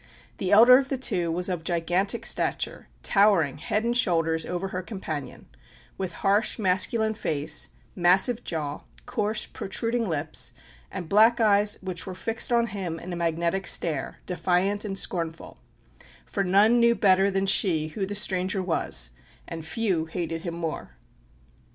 The elder of the two was of gigantic stature, towering head and shoulders over her companion, with harsh, masculine face, massive jaw, coarse protruding lips, and black eyes which were fixed on him in a magnetic stare, defiant and scornful for none knew better than she who the stranger was, and few hated him more.